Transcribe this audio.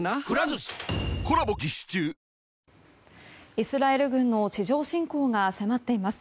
イスラエル軍の地上侵攻が迫っています。